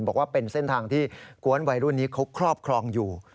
บอกว่าเป็นเส้นทางที่กวนวัยรุ่นนี้เขาครอบครองอยู่